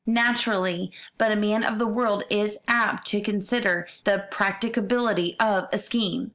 "Naturally. But a man of the world is apt to consider the practicability of a scheme.